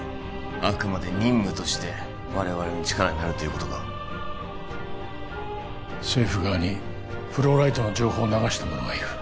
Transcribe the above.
あくまで任務として我々の力になるということか政府側にフローライトの情報を流した者がいる